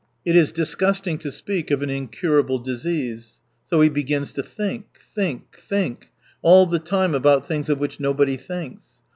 It is disgusting to speak of an incurable disease. So he begins to think, think, think — all the time about things of which nobody thinks.